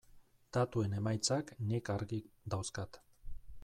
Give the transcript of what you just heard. Datuen emaitzak nik argi dauzkat.